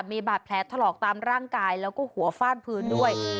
มีบาดแผลถลอกตามร่างกายแล้วก็หัวฟาดพื้นด้วย